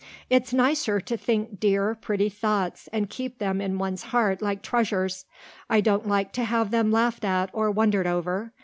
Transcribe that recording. "It's nicer to think dear, pretty thoughts and keep them in one's heart, like treasures. I don't like to have them laughed at or wondered over.